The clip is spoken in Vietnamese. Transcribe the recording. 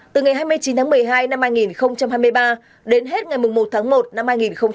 từ ngày hai mươi chín tháng một mươi hai năm hai nghìn hai mươi ba đến hết ngày một tháng một năm hai nghìn hai mươi bốn